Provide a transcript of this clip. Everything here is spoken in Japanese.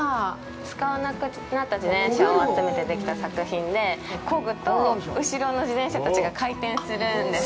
使わなくなった自転車を集めてできた作品で、こぐと後ろの自転車たちが回転するんです。